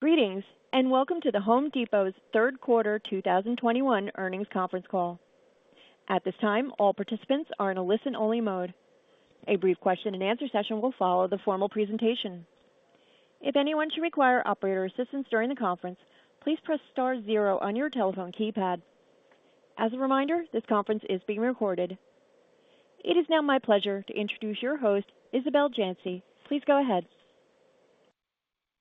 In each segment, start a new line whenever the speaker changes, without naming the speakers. Greetings, and welcome to The Home Depot's Third Quarter 2021 Earnings Conference Call. At this time, all participants are in a listen-only mode. A brief question-and-answer session will follow the formal presentation. If anyone should require operator assistance during the conference, please press star zero on your telephone keypad. As a reminder, this conference is being recorded. It is now my pleasure to introduce your host, Isabel Janci. Please go ahead.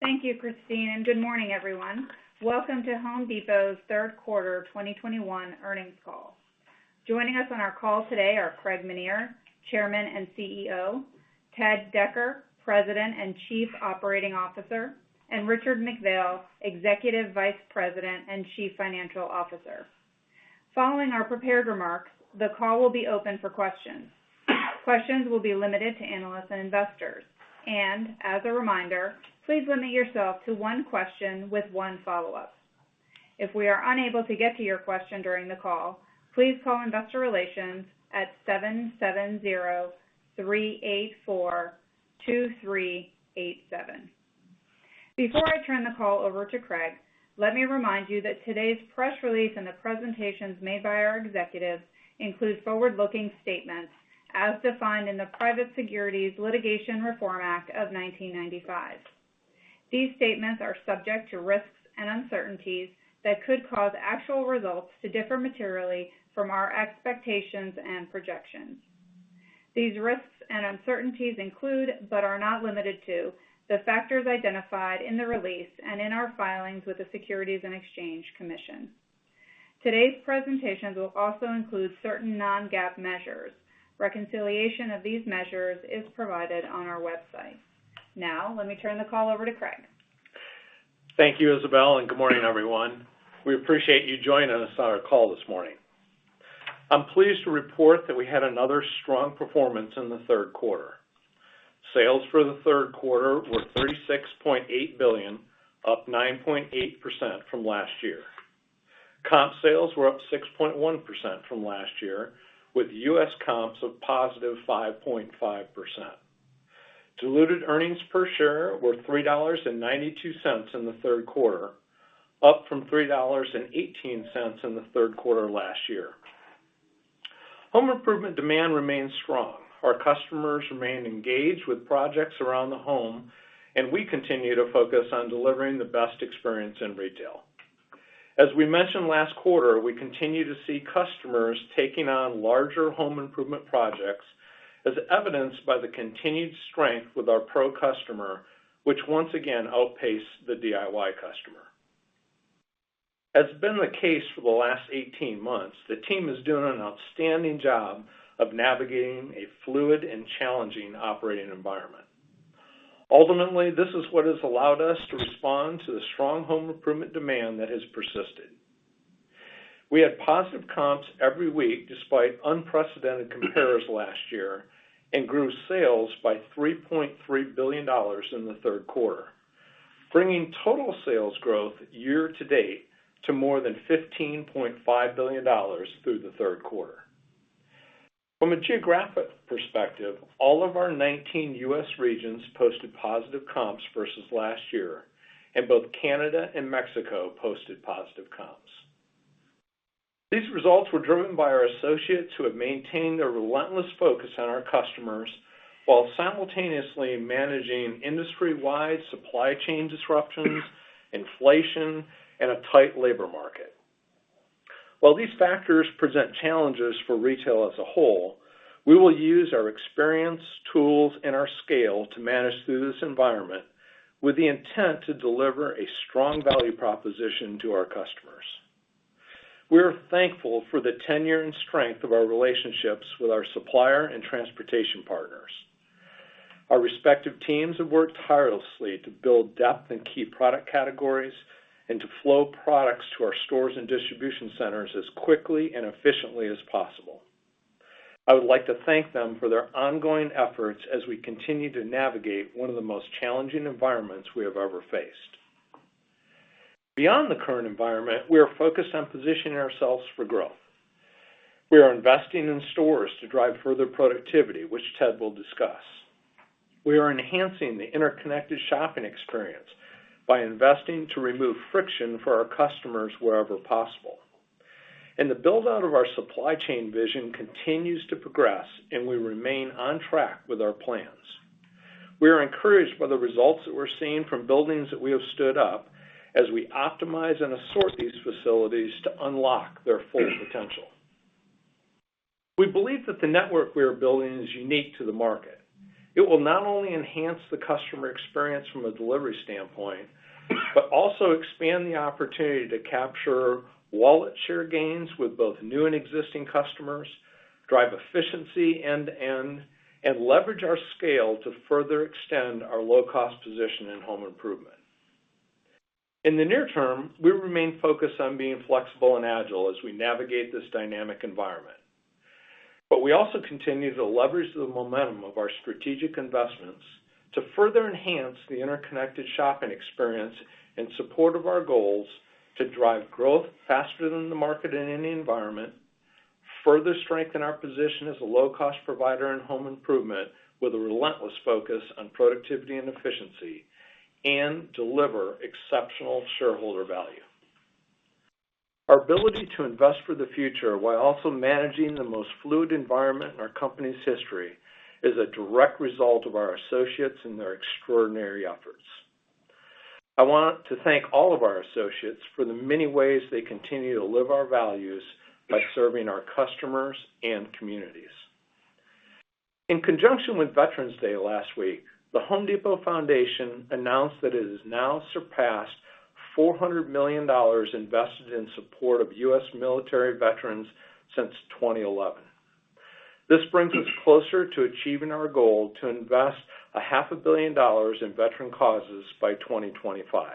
Thank you, Christine, and good morning, everyone. Welcome to Home Depot's Third Quarter 2021 Earnings Call. Joining us on our call today are Craig Menear, Chairman and CEO, Ted Decker, President and Chief Operating Officer, and Richard McPhail, Executive Vice President and Chief Financial Officer. Following our prepared remarks, the call will be open for questions. Questions will be limited to analysts and investors. As a reminder, please limit yourself to one question with one follow-up. If we are unable to get to your question during the call, please call Investor Relations at 770-384-2387. Before I turn the call over to Craig, let me remind you that today's press release and the presentations made by our executives include forward-looking statements as defined in the Private Securities Litigation Reform Act of 1995. These statements are subject to risks and uncertainties that could cause actual results to differ materially from our expectations and projections. These risks and uncertainties include, but are not limited to the factors identified in the release and in our filings with the Securities and Exchange Commission. Today's presentations will also include certain non-GAAP measures. Reconciliation of these measures is provided on our website. Now, let me turn the call over to Craig.
Thank you, Isabel, and good morning, everyone. We appreciate you joining us on our call this morning. I'm pleased to report that we had another strong performance in the third quarter. Sales for the third quarter were $36.8 billion, up 9.8% from last year. Comp sales were up 6.1% from last year, with U.S. comps of positive 5.5%. Diluted earnings per share were $3.92 in the third quarter, up from $3.18 in the third quarter last year. Home improvement demand remains strong. Our customers remain engaged with projects around the home, and we continue to focus on delivering the best experience in retail. As we mentioned last quarter, we continue to see customers taking on larger home improvement projects, as evidenced by the continued strength with our pro customer, which once again outpaced the DIY customer. As has been the case for the last 18 months, the team is doing an outstanding job of navigating a fluid and challenging operating environment. Ultimately, this is what has allowed us to respond to the strong home improvement demand that has persisted. We had positive comps every week despite unprecedented compares last year and grew sales by $3.3 billion in the third quarter, bringing total sales growth year-to-date to more than $15.5 billion through the third quarter. From a geographic perspective, all of our 19 U.S. regions posted positive comps versus last year, and both Canada and Mexico posted positive comps. These results were driven by our associates who have maintained a relentless focus on our customers while simultaneously managing industry-wide supply chain disruptions, inflation, and a tight labor market. While these factors present challenges for retail as a whole, we will use our experience, tools, and our scale to manage through this environment with the intent to deliver a strong value proposition to our customers. We are thankful for the tenure and strength of our relationships with our supplier and transportation partners. Our respective teams have worked tirelessly to build depth in key product categories and to flow products to our stores and distribution centers as quickly and efficiently as possible. I would like to thank them for their ongoing efforts as we continue to navigate one of the most challenging environments we have ever faced. Beyond the current environment, we are focused on positioning ourselves for growth. We are investing in stores to drive further productivity, which Ted will discuss. We are enhancing the interconnected shopping experience by investing to remove friction for our customers wherever possible. The build-out of our supply chain vision continues to progress, and we remain on track with our plans. We are encouraged by the results that we're seeing from buildings that we have stood up as we optimize and assort these facilities to unlock their full potential. We believe that the network we are building is unique to the market. It will not only enhance the customer experience from a delivery standpoint, but also expand the opportunity to capture wallet share gains with both new and existing customers, drive efficiency end-to-end, and leverage our scale to further extend our low-cost position in home improvement. In the near term, we remain focused on being flexible and agile as we navigate this dynamic environment. We also continue to leverage the momentum of our strategic investments to further enhance the interconnected shopping experience in support of our goals to drive growth faster than the market in any environment. Further strengthen our position as a low-cost provider in home improvement with a relentless focus on productivity and efficiency, and deliver exceptional shareholder value. Our ability to invest for the future while also managing the most fluid environment in our company's history is a direct result of our associates and their extraordinary efforts. I want to thank all of our associates for the many ways they continue to live our values by serving our customers and communities. In conjunction with Veterans Day last week, The Home Depot Foundation announced that it has now surpassed $400 million invested in support of U.S. military veterans since 2011. This brings us closer to achieving our goal to invest a half a billion dollars in veteran causes by 2025.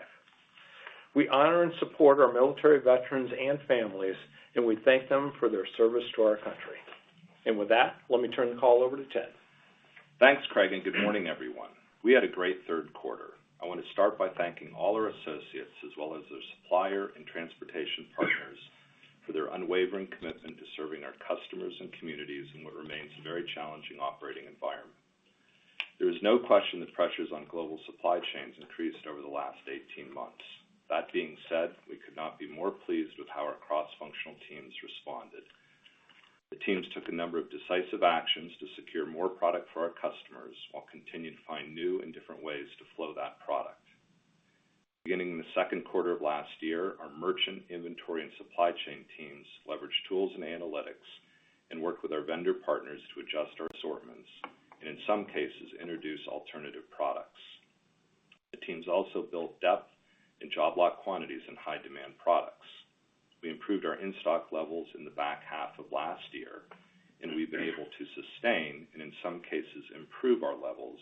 We honor and support our military veterans and families, and we thank them for their service to our country. With that, let me turn the call over to Ted.
Thanks, Craig, and good morning, everyone. We had a great third quarter. I wanna start by thanking all our associates as well as their supplier and transportation partners for their unwavering commitment to serving our customers and communities in what remains a very challenging operating environment. There is no question that pressures on global supply chains increased over the last 18 months. That being said, we could not be more pleased with how our cross-functional teams responded. The teams took a number of decisive actions to secure more product for our customers while continuing to find new and different ways to flow that product. Beginning in the second quarter of last year, our merchant inventory and supply chain teams leveraged tools and analytics and worked with our vendor partners to adjust our assortments, and in some cases, introduce alternative products. The teams also built depth in job lot quantities and high demand products. We improved our in-stock levels in the back half of last year, and we've been able to sustain, and in some cases improve our levels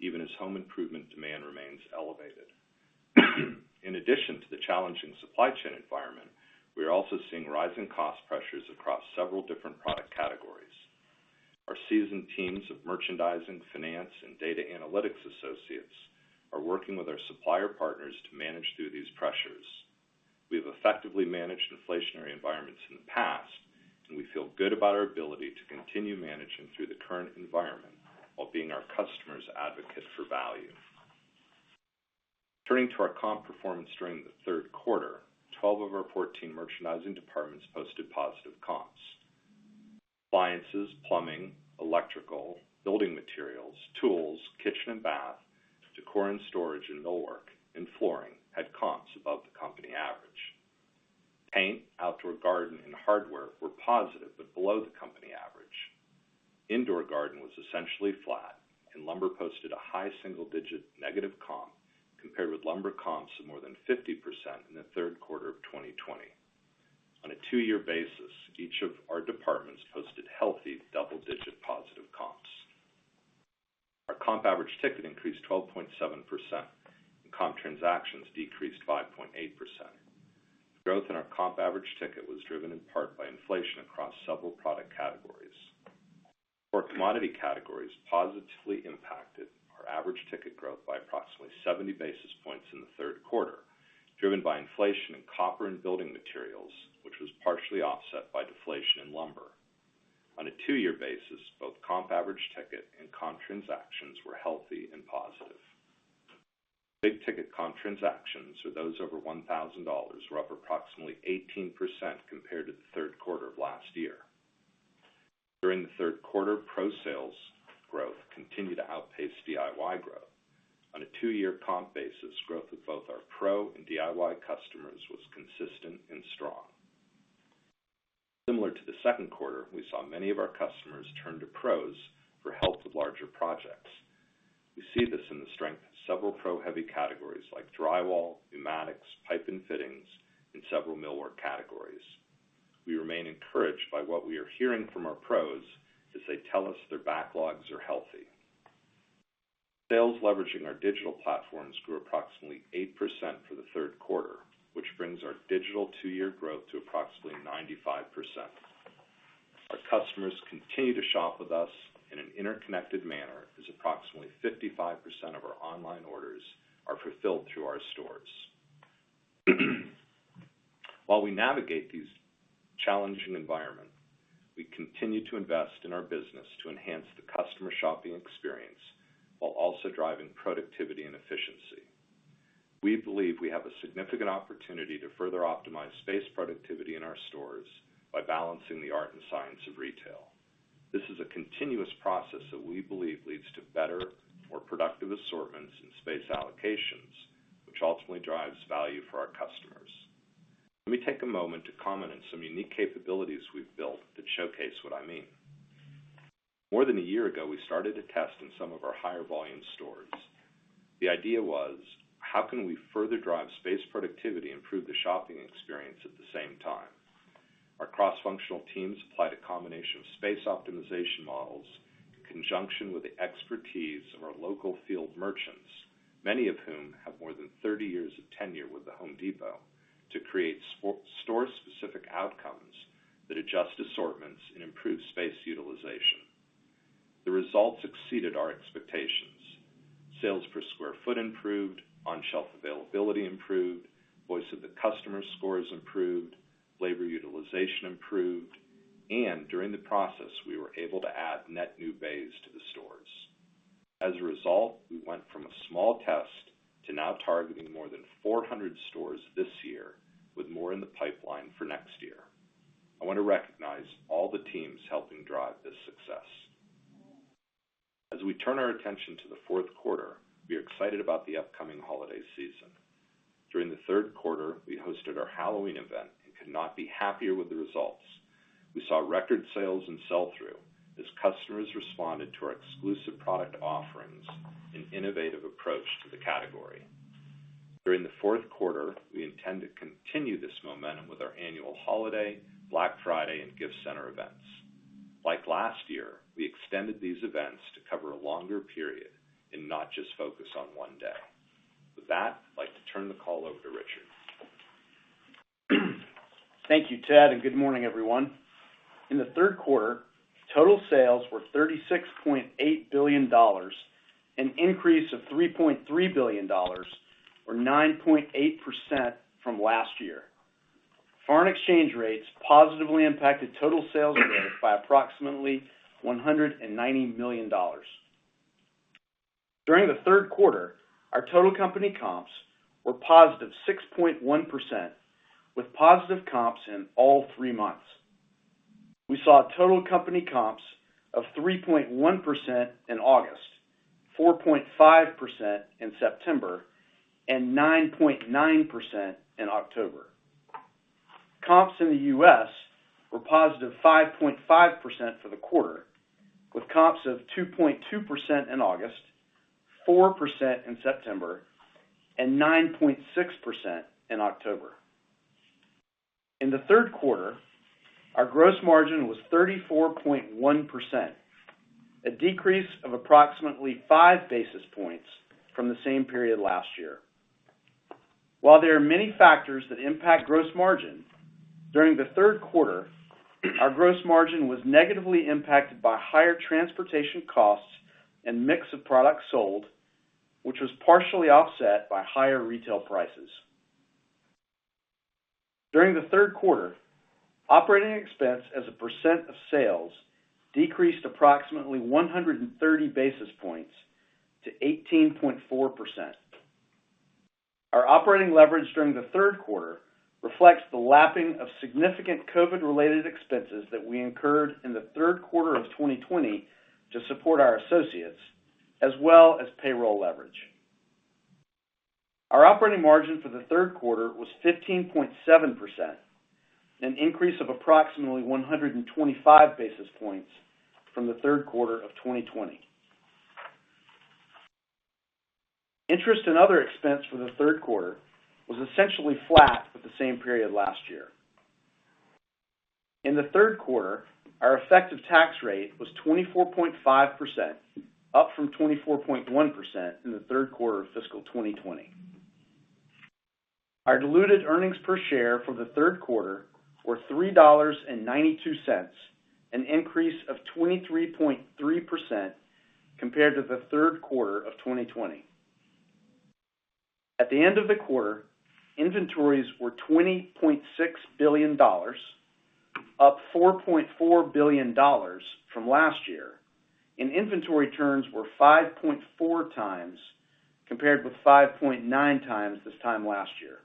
even as home improvement demand remains elevated. In addition to the challenging supply chain environment, we are also seeing rising cost pressures across several different product categories. Our seasoned teams of merchandising, finance, and data analytics associates are working with our supplier partners to manage through these pressures. We have effectively managed inflationary environments in the past, and we feel good about our ability to continue managing through the current environment while being our customer's advocate for value. Turning to our comp performance during the third quarter, 12 of our 14 merchandising departments posted positive comps. Appliances, plumbing, electrical, building materials, tools, kitchen and bath, decor and storage and millwork, and flooring had comps above the company average. Paint, outdoor garden, and hardware were positive but below the company average. Indoor garden was essentially flat, and lumber posted a high single digit negative comp compared with lumber comps of more than 50% in the third quarter of 2020. On a two-year basis, each of our departments posted healthy double-digit positive comps. Our comp average ticket increased 12.7%, and comp transactions decreased 5.8%. Growth in our comp average ticket was driven in part by inflation across several product categories. Our commodity categories positively impacted our average ticket growth by approximately 70 basis points in the third quarter, driven by inflation in copper and building materials, which was partially offset by deflation in lumber. On a two-year basis, both comp average ticket and comp transactions were healthy and positive. Big-ticket comp transactions or those over $1,000 were up approximately 18% compared to the third quarter of last year. During the third quarter, pro sales growth continued to outpace DIY growth. On a two-year comp basis, growth of both our pro and DIY customers was consistent and strong. Similar to the second quarter, we saw many of our customers turn to pros for help with larger projects. We see this in the strength of several pro-heavy categories like drywall, pneumatics, pipe and fittings, and several millwork categories. We remain encouraged by what we are hearing from our pros as they tell us their backlogs are healthy. Sales leveraging our digital platforms grew approximately 8% for the third quarter, which brings our digital two-year growth to approximately 95%. Our customers continue to shop with us in an interconnected manner as approximately 55% of our online orders are fulfilled through our stores. While we navigate these challenging environment, we continue to invest in our business to enhance the customer shopping experience while also driving productivity and efficiency. We believe we have a significant opportunity to further optimize space productivity in our stores by balancing the art and science of retail. This is a continuous process that we believe leads to better, more productive assortments and space allocations, which ultimately drives value for our customers. Let me take a moment to comment on some unique capabilities we've built that showcase what I mean. More than a year ago, we started a test in some of our higher volume stores. The idea was, how can we further drive space productivity, improve the shopping experience at the same time? Our cross-functional teams applied a combination of space optimization models in conjunction with the expertise of our local field merchants, many of whom have more than 30 years of tenure with The Home Depot, to create store specific outcomes that adjust assortments and improve space utilization. The results exceeded our expectations. Sales per square foot improved, on-shelf availability improved, voice of the customer scores improved, labor utilization improved, and during the process, we were able to add net new bays to the stores. As a result, we went from a small test to now targeting more than 400 stores this year with more in the pipeline for next year. I want to recognize all the teams helping drive this success. As we turn our attention to the fourth quarter, we are excited about the upcoming holiday season. During the third quarter, we hosted our Halloween event and could not be happier with the results. We saw record sales and sell-through as customers responded to our exclusive product offerings and innovative approach to the category. During the fourth quarter, we intend to continue this momentum with our annual holiday, Black Friday, and gift center events. Like last year, we extended these events to cover a longer period and not just focus on one day. With that, I'd like to turn the call over to Richard.
Thank you, Ted, and good morning, everyone. In the third quarter, total sales were $36.8 billion, an increase of $3.3 billion or 9.8% from last year. Foreign exchange rates positively impacted total sales growth by approximately $190 million. During the third quarter, our total company comps were positive 6.1% with positive comps in all three months. We saw total company comps of 3.1% in August, 4.5% in September, and 9.9% in October. Comps in the U.S. were positive 5.5% for the quarter, with comps of 2.2% in August, 4% in September, and 9.6% in October. In the third quarter, our gross margin was 34.1%, a decrease of approximately 5 basis points from the same period last year. While there are many factors that impact gross margin, during the third quarter, our gross margin was negatively impacted by higher transportation costs and mix of products sold, which was partially offset by higher retail prices. During the third quarter, operating expense as a percent of sales decreased approximately 130 basis points to 18.4%. Our operating leverage during the third quarter reflects the lapping of significant COVID-related expenses that we incurred in the third quarter of 2020 to support our associates, as well as payroll leverage. Our operating margin for the third quarter was 15.7%, an increase of approximately 125 basis points from the third quarter of 2020. Interest and other expense for the third quarter was essentially flat with the same period last year. In the third quarter, our effective tax rate was 24.5%, up from 24.1% in the third quarter of fiscal 2020. Our diluted earnings per share for the third quarter were $3.92, an increase of 23.3% compared to the third quarter of 2020. At the end of the quarter, inventories were $20.6 billion, up $4.4 billion from last year, and inventory turns were 5.4x compared with 5.9x this time last year.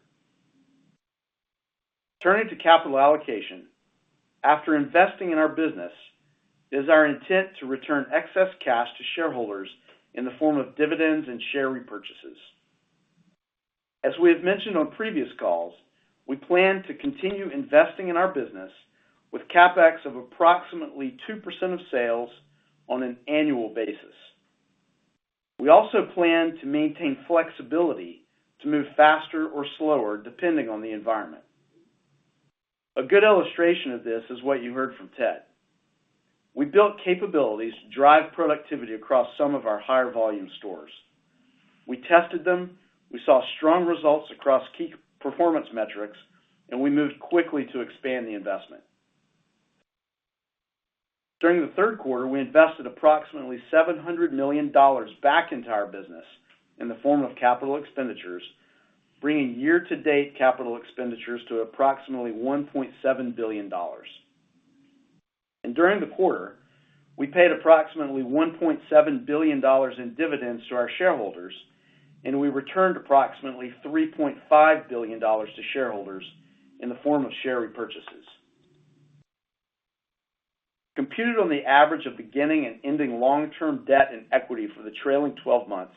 Turning to capital allocation. After investing in our business, it is our intent to return excess cash to shareholders in the form of dividends and share repurchases. As we have mentioned on previous calls, we plan to continue investing in our business with CapEx of approximately 2% of sales on an annual basis. We also plan to maintain flexibility to move faster or slower, depending on the environment. A good illustration of this is what you heard from Ted. We built capabilities to drive productivity across some of our higher volume stores. We tested them, we saw strong results across key performance metrics, and we moved quickly to expand the investment. During the third quarter, we invested approximately $700 million back into our business in the form of capital expenditures, bringing year-to-date capital expenditures to approximately $1.7 billion. During the quarter, we paid approximately $1.7 billion in dividends to our shareholders, and we returned approximately $3.5 billion to shareholders in the form of share repurchases. Computed on the average of beginning and ending long-term debt and equity for the trailing twelve months,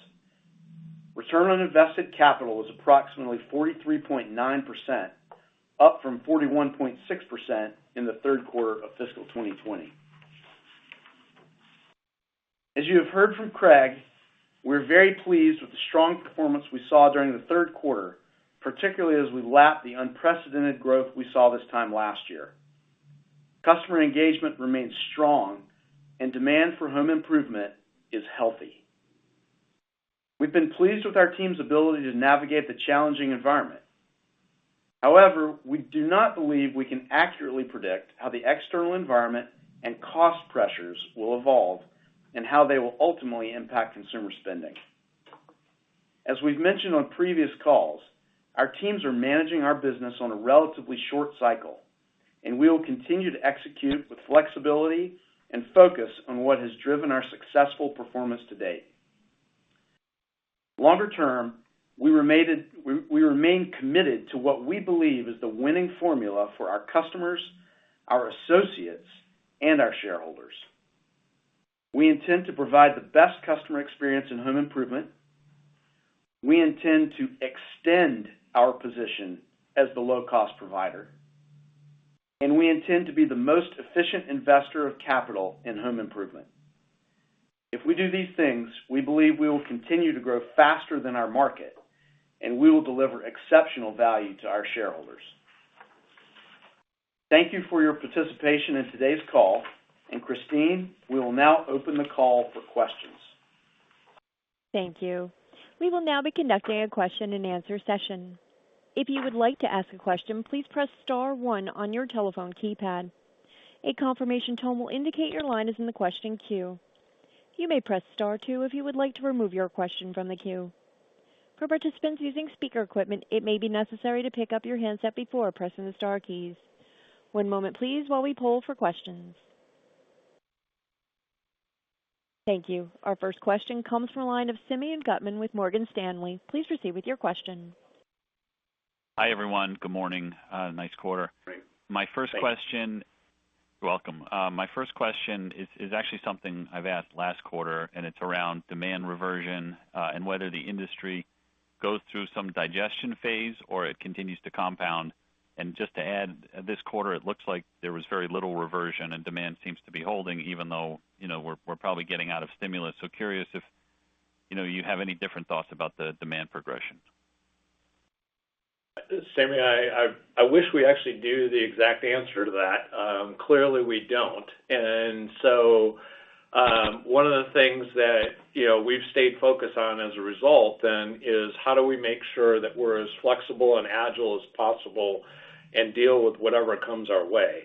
return on invested capital was approximately 43.9%, up from 41.6% in the third quarter of fiscal 2020. As you have heard from Craig, we're very pleased with the strong performance we saw during the third quarter, particularly as we lap the unprecedented growth we saw this time last year. Customer engagement remains strong and demand for home improvement is healthy. We've been pleased with our team's ability to navigate the challenging environment. However, we do not believe we can accurately predict how the external environment and cost pressures will evolve and how they will ultimately impact consumer spending. As we've mentioned on previous calls, our teams are managing our business on a relatively short cycle, and we will continue to execute with flexibility and focus on what has driven our successful performance to date. Longer term, we remain committed to what we believe is the winning formula for our customers, our associates, and our shareholders. We intend to provide the best customer experience in home improvement. We intend to extend our position as the low-cost provider. We intend to be the most efficient investor of capital in home improvement. If we do these things, we believe we will continue to grow faster than our market, and we will deliver exceptional value to our shareholders. Thank you for your participation in today's call. Christine, we will now open the call for questions.
Thank you. We will now be conducting a question-and-answer session. If you would like to ask a question, please press star one on your telephone keypad. A confirmation tone will indicate your line is in the question queue. You may press star two if you would like to remove your question from the queue. For participants using speaker equipment, it may be necessary to pick up your handset before pressing the star keys. One moment please while we poll for questions. Thank you. Our first question comes from the line of Simeon Gutman with Morgan Stanley. Please proceed with your question.
Hi, everyone. Good morning. Nice quarter.
Great. Thank you.
My first question. You're welcome. My first question is actually something I've asked last quarter, and it's around demand reversion, and whether the industry goes through some digestion phase or it continues to compound. Just to add, this quarter, it looks like there was very little reversion and demand seems to be holding, even though, you know, we're probably getting out of stimulus. So curious if, you know, you have any different thoughts about the demand progression?
Simeon, I wish we actually knew the exact answer to that. Clearly we don't. One of the things that, you know, we've stayed focused on as a result then is how do we make sure that we're as flexible and agile as possible and deal with whatever comes our way?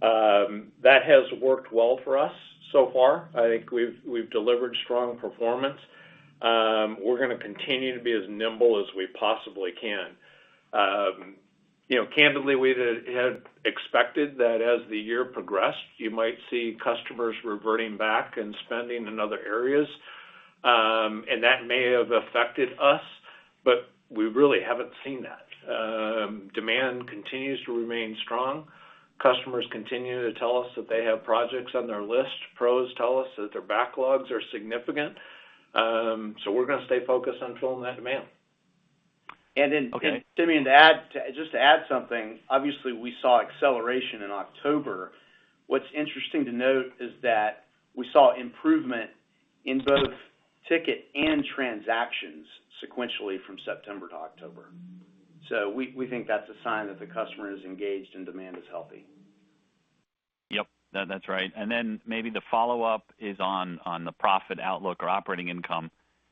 That has worked well for us so far. I think we've delivered strong performance. We're gonna continue to be as nimble as we possibly can. You know, candidly, we had expected that as the year progressed, you might see customers reverting back and spending in other areas, and that may have affected us, but we really haven't seen that. Demand continues to remain strong. Customers continue to tell us that they have projects on their list. Pros tell us that their backlogs are significant. We're gonna stay focused on filling that demand.
Okay.
Simeon, to add, just to add something, obviously, we saw acceleration in October. What's interesting to note is that we saw improvement in both ticket and transactions sequentially from September to October. We think that's a sign that the customer is engaged and demand is healthy.
Yep, that's right. Then maybe the follow-up is on the profit outlook or operating income.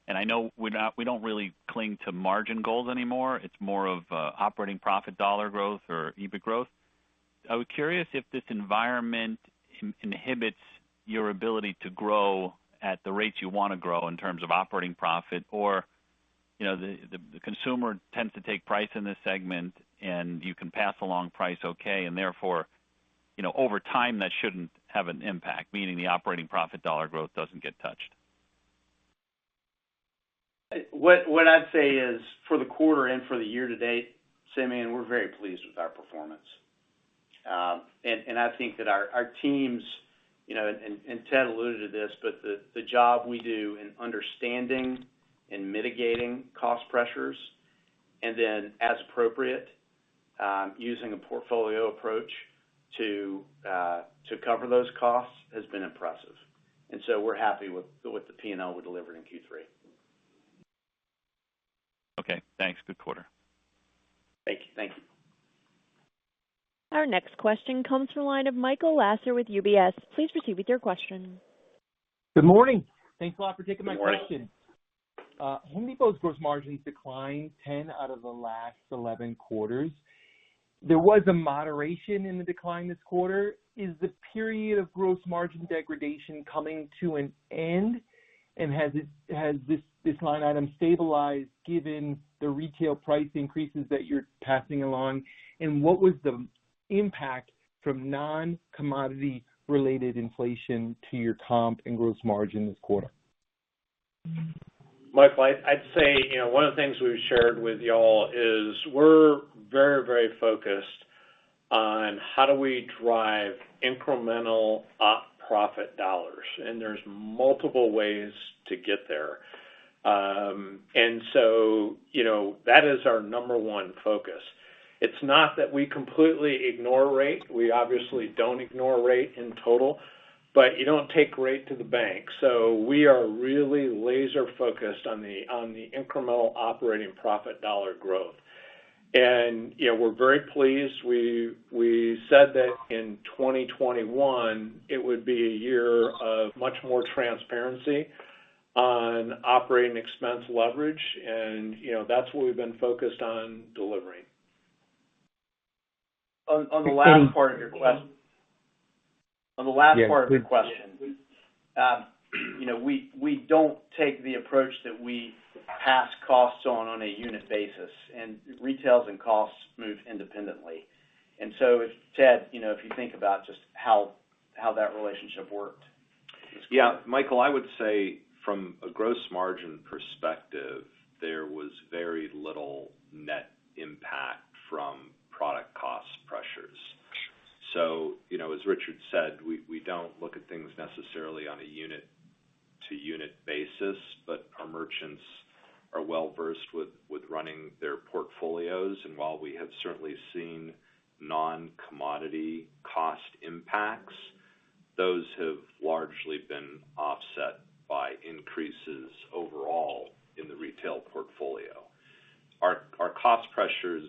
I know we don't really cling to margin goals anymore. It's more of operating profit dollar growth or EBIT growth. I was curious if this environment inhibits your ability to grow at the rates you wanna grow in terms of operating profit, or, you know, the consumer tends to take price in this segment and you can pass along price okay, and therefore, you know, over time, that shouldn't have an impact, meaning the operating profit dollar growth doesn't get touched.
What I'd say is for the quarter and for the year to date, Simeon, we're very pleased with our performance. I think that our teams, you know, Ted alluded to this, but the job we do in understanding and mitigating cost pressures, and then as appropriate, using a portfolio approach to cover those costs has been impressive. We're happy with the P&L we delivered in Q3.
Okay, thanks. Good quarter.
Thank you.
Our next question comes from the line of Michael Lasser with UBS. Please proceed with your question.
Good morning. Thanks a lot for taking my question.
Good morning.
Home Depot's gross margins declined 10 out of the last 11 quarters. There was a moderation in the decline this quarter. Is the period of gross margin degradation coming to an end? Has this line item stabilized given the retail price increases that you're passing along? What was the impact from non-commodity related inflation to your comp and gross margin this quarter?
Michael, I'd say, you know, one of the things we've shared with y'all is we're very, very focused on how do we drive incremental operating profit dollars, and there's multiple ways to get there. You know, that is our number one focus. It's not that we completely ignore rate. We obviously don't ignore rate in total, but you don't take rate to the bank. We are really laser-focused on the incremental operating profit dollar growth.
You know, we're very pleased. We said that in 2021, it would be a year of much more transparency on operating expense leverage. You know, that's what we've been focused on delivering.
On the last part of your question.
Yes, please.
On the last part of your question. You know, we don't take the approach that we pass costs on a unit basis, and retails and costs move independently. If Ted, you know, if you think about just how that relationship worked.
Yeah, Michael, I would say from a gross margin perspective, there was very little net impact from product cost pressures. You know, as Richard said, we don't look at things necessarily on a unit to unit basis, but our merchants are well-versed with running their portfolios. While we have certainly seen non-commodity cost impacts, those have largely been offset by increases overall in the retail portfolio. Our cost pressures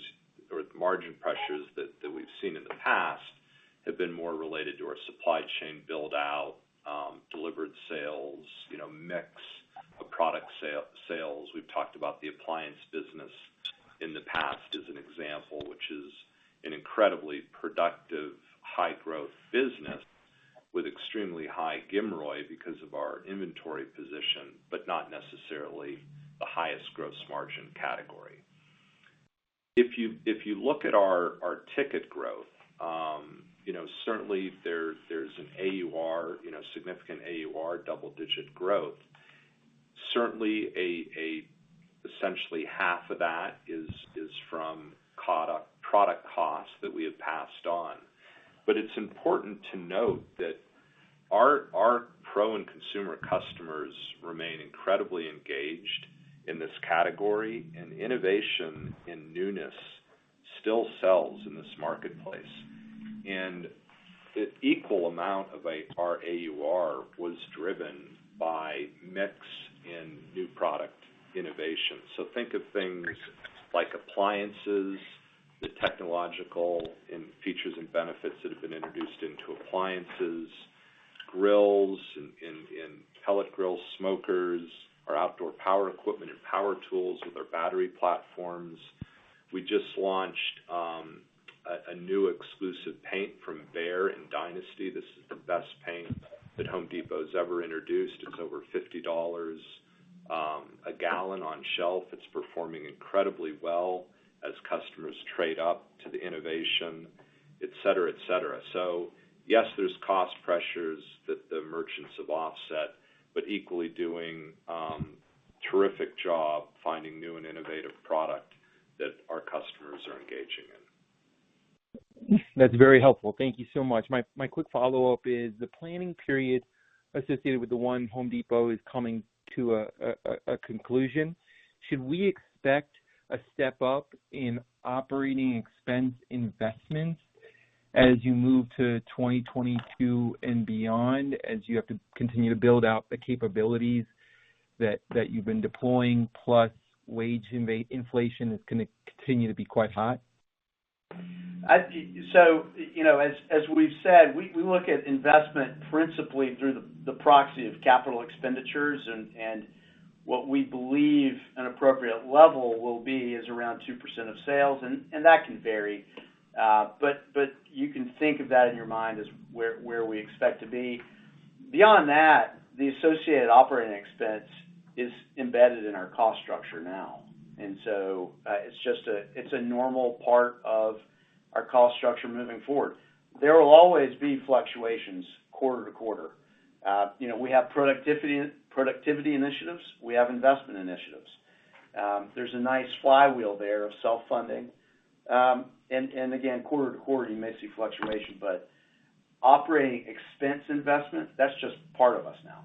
or margin pressures that we've seen in the past have been more related to our supply chain build out, delivered sales, you know, mix of product sales. We've talked about the appliance business in the past as an example, which is an incredibly productive high-growth business with extremely high GMROI because of our inventory position, but not necessarily the highest gross margin category. If you look at our ticket growth, you know, certainly there's an AUR, you know, significant AUR double-digit growth. Certainly essentially half of that is from product costs that we have passed on. But it's important to note that our pro and consumer customers remain incredibly engaged in this category, and innovation and newness still sells in this marketplace. The equal amount of our AUR was driven by mix and new product innovation. Think of things like appliances, the technological and features and benefits that have been introduced into appliances, grills and pellet grill smokers, our outdoor power equipment and power tools with our battery platforms. We just launched a new exclusive paint from BEHR DYNASTY. This is the best paint that Home Depot has ever introduced. It's over $50 a gallon on shelf. It's performing incredibly well as customers trade up to the innovation, et cetera, et cetera. Yes, there's cost pressures that the merchants have offset, but equally doing terrific job finding new and innovative product that our customers are engaging in.
That's very helpful. Thank you so much. My quick follow-up is the planning period associated with the One Home Depot is coming to a conclusion. Should we expect a step up in operating expense investments as you move to 2022 and beyond, as you have to continue to build out the capabilities that you've been deploying, plus wage inflation is gonna continue to be quite high?
So, you know, as we've said, we look at investment principally through the proxy of capital expenditures and what we believe an appropriate level will be is around 2% of sales, and that can vary. But you can think of that in your mind as where we expect to be. Beyond that, the associated operating expense is embedded in our cost structure now. It's just a normal part of our cost structure moving forward. There will always be fluctuations quarter to quarter. You know, we have productivity initiatives, we have investment initiatives. There's a nice flywheel there of self-funding. And again, quarter to quarter, you may see fluctuation, but operating expense investment, that's just part of us now.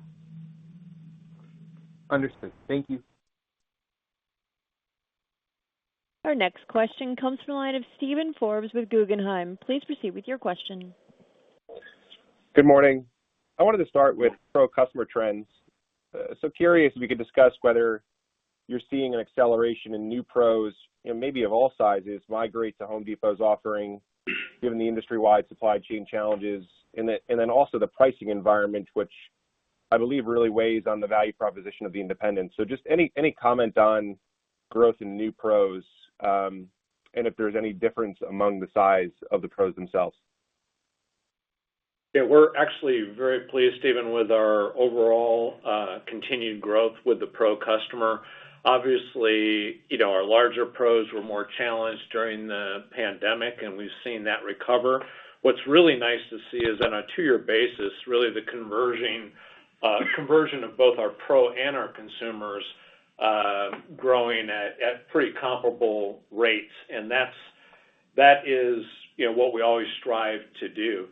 Understood. Thank you.
Our next question comes from the line of Steven Forbes with Guggenheim. Please proceed with your question.
Good morning. I wanted to start with Pro customer trends. Curious if we could discuss whether you're seeing an acceleration in new pros, you know, maybe of all sizes migrate to Home Depot's offering given the industry-wide supply chain challenges and then also the pricing environment, which I believe really weighs on the value proposition of the independent. Just any comment on growth in new pros, and if there's any difference among the size of the pros themselves.
Yeah, we're actually very pleased, Steven, with our overall continued growth with the pro customer. Obviously, you know, our larger pros were more challenged during the pandemic, and we've seen that recover. What's really nice to see is on a two-year basis, really the conversion of both our Pro and our consumers growing at pretty comparable rates. And that is, you know, what we always strive to do.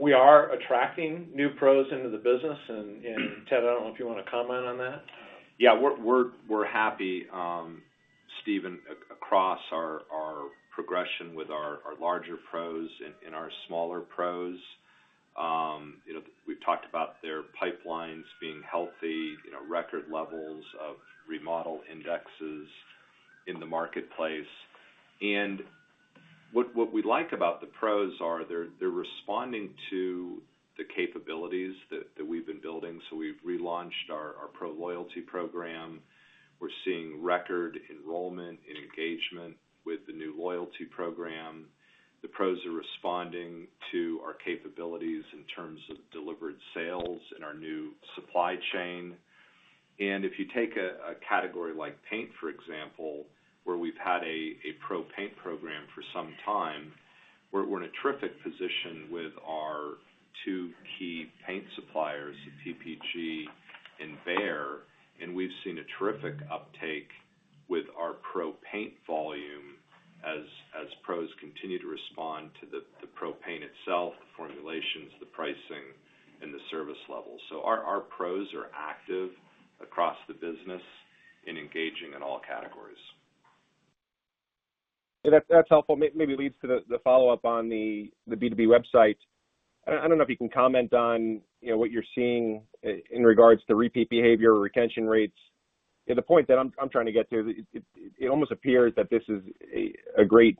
We are attracting new Pros into the business. And Ted, I don't know if you wanna comment on that.
Yeah, we're happy, Steven, across our progression with our larger Pros and our smaller Pros. You know, we've talked about their pipelines being healthy, you know, record levels of remodel indexes in the marketplace. What we like about the Pros are they're responding to the capabilities that we've been building. We've relaunched our Pro Loyalty Program. We're seeing record enrollment and engagement with the new loyalty program. The Pros are responding to our capabilities in terms of delivered sales and our new supply chain. If you take a category like paint, for example, where we've had a Pro paint program for some time, we're in a terrific position with our two key paint suppliers, PPG and BEHR, and we've seen a terrific uptake with our Pro paint volume as Pros continue to respond to the Pro paint itself, the formulations, the pricing, and the service level. Our Pros are active across the business in engaging in all categories.
Yeah, that's helpful. Maybe leads to the follow-up on the B2B website. I don't know if you can comment on, you know, what you're seeing in regards to repeat behavior or retention rates. Yeah, the point that I'm trying to get to, it almost appears that this is a great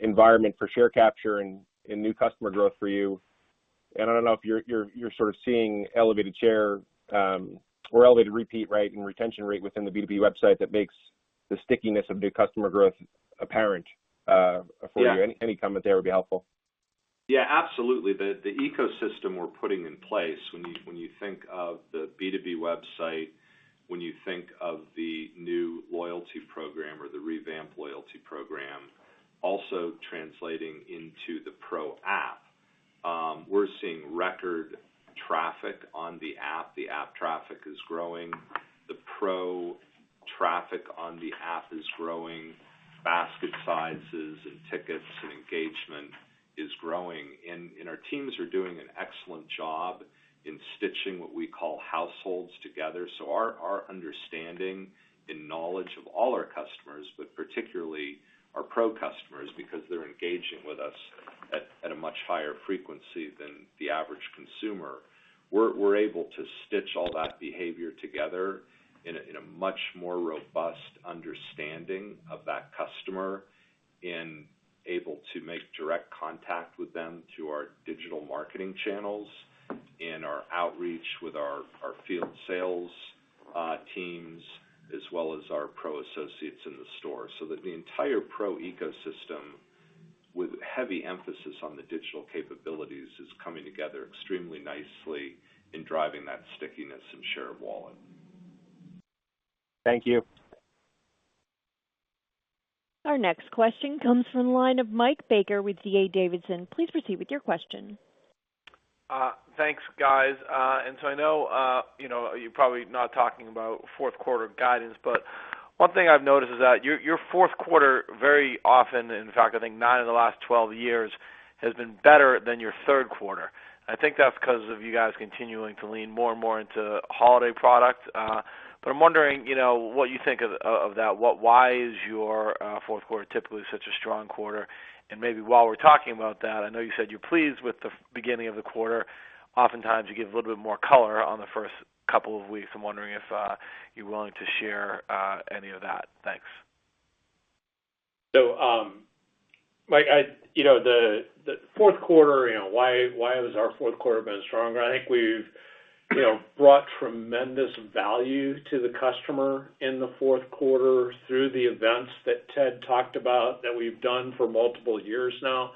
environment for share capture and new customer growth for you. I don't know if you're sort of seeing elevated share or elevated repeat rate and retention rate within the B2B website that makes the stickiness of new customer growth apparent for you. Any comment there would be helpful.
Yeah, absolutely. The ecosystem we're putting in place, when you think of the B2B website, when you think of the new loyalty program or the revamped loyalty program also translating into the Pro app, we're seeing record traffic on the app. The app traffic is growing. The Pro traffic on the app is growing. Basket sizes and tickets and engagement is growing. And our teams are doing an excellent job in stitching what we call households together. So our understanding and knowledge of all our customers, but particularly our Pro customers, because they're engaging with us at a much higher frequency than the average consumer. We're able to stitch all that behavior together in a much more robust understanding of that customer and able to make direct contact with them through our digital marketing channels, in our outreach with our field sales teams, as well as our Pro associates in the store. So that the entire Pro ecosystem, with heavy emphasis on the digital capabilities, is coming together extremely nicely in driving that stickiness and share of wallet.
Thank you.
Our next question comes from the line of Mike Baker with D.A. Davidson. Please proceed with your question.
Thanks, guys. I know, you know, you're probably not talking about fourth quarter guidance, but one thing I've noticed is that your fourth quarter, very often, in fact, I think nine of the last 12 years, has been better than your third quarter. I think that's 'cause of you guys continuing to lean more and more into holiday product. I'm wondering, you know, what you think of that. Why is your fourth quarter typically such a strong quarter? Maybe while we're talking about that, I know you said you're pleased with the beginning of the quarter. Oftentimes, you give a little bit more color on the first couple of weeks. I'm wondering if you're willing to share any of that. Thanks.
Mike, you know, the fourth quarter, you know, why has our fourth quarter been stronger? I think we've brought tremendous value to the customer in the fourth quarter through the events that Ted talked about that we've done for multiple years now.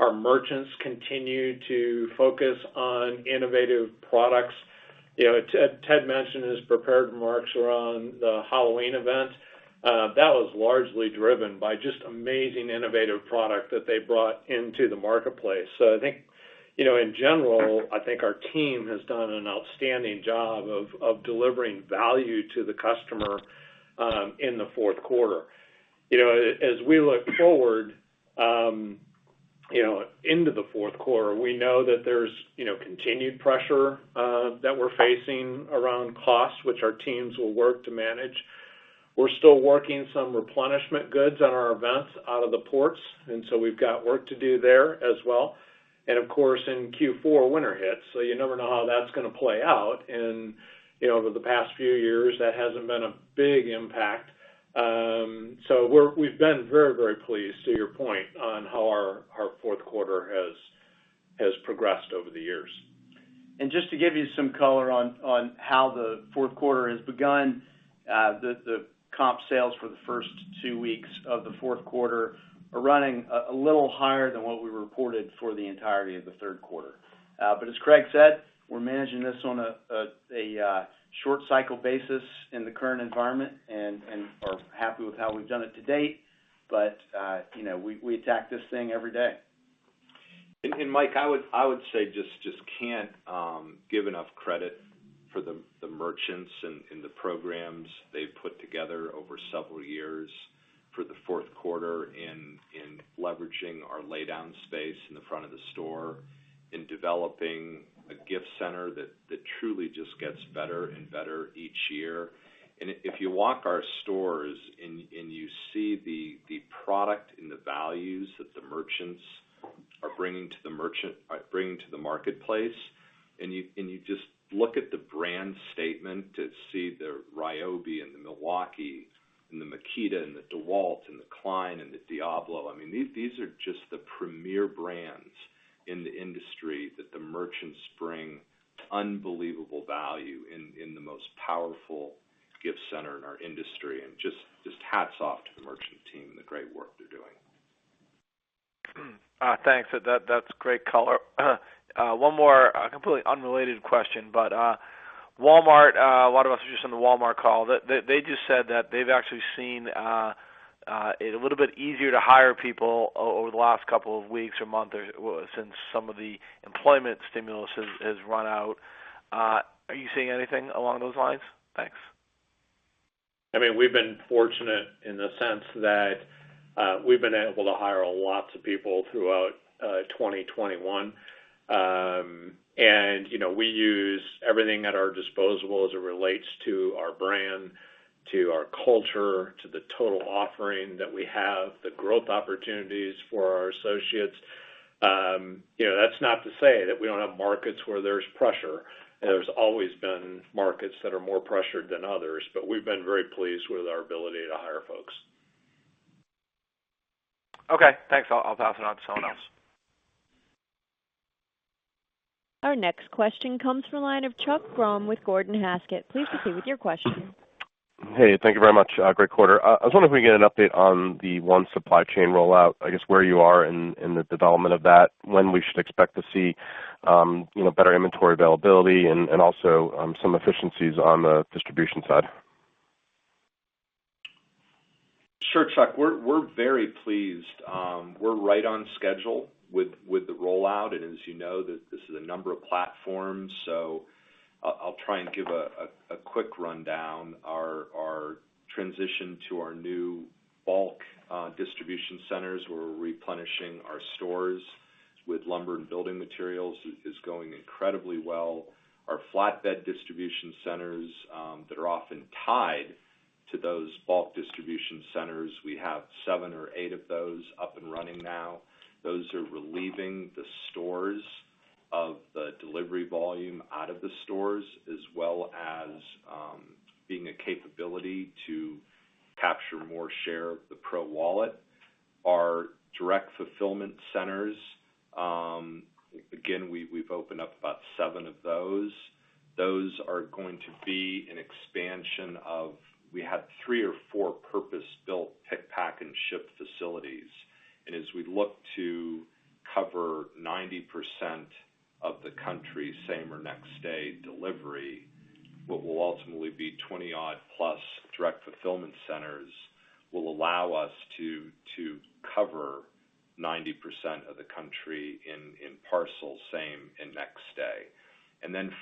Our merchants continue to focus on innovative products. Ted mentioned in his prepared remarks around the Halloween event. That was largely driven by just amazing, innovative product that they brought into the marketplace. I think, in general, I think our team has done an outstanding job of delivering value to the customer in the fourth quarter. As we look forward into the fourth quarter, we know that there's continued pressure that we're facing around costs, which our teams will work to manage. We're still working some replenishment goods on our events out of the ports, and so we've got work to do there as well. Of course, in Q4, winter hits, so you never know how that's gonna play out. You know, over the past few years, that hasn't been a big impact. We've been very, very pleased, to your point, on how our fourth quarter has progressed over the years.
Just to give you some color on how the fourth quarter has begun, the comp sales for the first two weeks of the fourth quarter are running a little higher than what we reported for the entirety of the third quarter. As Craig said, we're managing this on a short cycle basis in the current environment and are happy with how we've done it to date. You know, we attack this thing every day.
Mike, I would say we just can't give enough credit for the merchants and the programs they've put together over several years for the fourth quarter in leveraging our laydown space in the front of the store, in developing a gift center that truly just gets better and better each year. If you walk our stores and you see the product and the values that the merchants are bringing to the marketplace, and you just look at the brand statement to see the RYOBI and the Milwaukee and the Makita and the DEWALT and the Klein and the DIABLO, I mean, these are just the premier brands in the industry that the merchants bring unbelievable value in the most powerful gift center in our industry. Just hats off to the merchant team and the great work they're doing.
Thanks. That's great color. One more completely unrelated question, but Walmart, a lot of us are just on the Walmart call. They just said that they've actually seen it a little bit easier to hire people over the last couple of weeks or months or since some of the employment stimulus has run out. Are you seeing anything along those lines? Thanks.
I mean, we've been fortunate in the sense that, we've been able to hire lots of people throughout 2021. You know, we use everything at our disposal as it relates to our brand, to our culture, to the total offering that we have, the growth opportunities for our associates. You know, that's not to say that we don't have markets where there's pressure. There's always been markets that are more pressured than others, but we've been very pleased with our ability to hire folks.
Okay, thanks. I'll pass it on to someone else.
Our next question comes from the line of Chuck Grom with Gordon Haskett. Please proceed with your question.
Hey, thank you very much. Great quarter. I was wondering if we can get an update on the One Supply Chain rollout, I guess, where you are in the development of that, when we should expect to see better inventory availability and also some efficiencies on the distribution side.
Sure, Chuck. We're very pleased. We're right on schedule with the rollout. As you know, this is a number of platforms, so I'll try and give a quick rundown. Our transition to our new bulk distribution centers, where we're replenishing our stores with lumber and building materials is going incredibly well. Our flatbed distribution centers that are often tied to those bulk distribution centers, we have seven or eight of those up and running now. Those are relieving the stores of the delivery volume out of the stores, as well as being a capability to capture more share of the Pro wallet. Our direct fulfillment centers, again, we've opened up about seven of those. Those are going to be an expansion of three or four purpose-built pick, pack, and ship facilities. As we look to cover 90% of the country same or next day delivery, what will ultimately be twenty-odd plus direct fulfillment centers will allow us to cover 90% of the country in parcels same and next day.